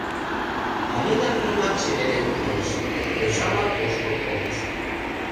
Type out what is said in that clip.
Алина тунамак чеверген кайыш, йоча-влак воштыл колтышт.